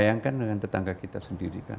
bayangkan dengan tetangga kita sendiri kan